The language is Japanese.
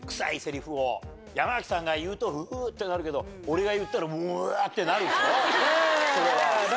山崎さんが言うとフゥってなるけど俺が言ったらうわってなるでしょ？